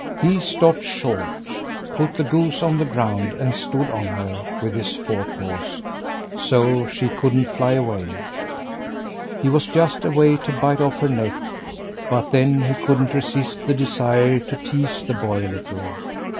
He stopped short, put the goose on the ground, and stood on her with his forepaws, so she couldn't fly away. He was just about to bite off her neck but then he couldn't resist the desire to tease the boy a little.